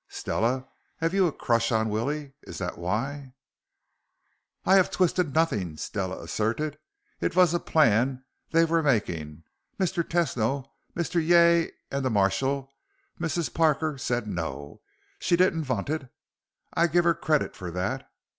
Stella, have you a crush on Willie? Is that why " "I have twisted nothing," Stella asserted. "It vas a plan they vere making, Mr. Tesno, Mr. Yay and the marshal. Mrs. Parker said no, she didn't vant it. I give her credit for that.